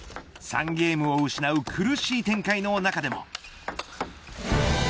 ３ゲームを失う苦しい展開の中でも。